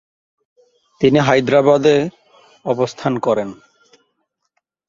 তিনি হায়দ্রাবাদে অবস্থান করেন।